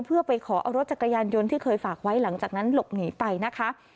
เพื่อไปขอเอารถจักรยานยนต์ที่เคยฝากไว้หลังจากนั้นหลบหนีไปนะคะ